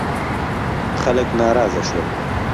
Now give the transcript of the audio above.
خلک ناراضه شول.